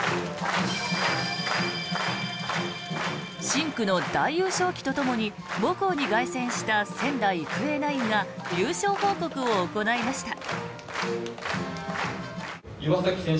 深紅の大優勝旗とともに母校に凱旋した仙台育英ナインが優勝報告を行いました。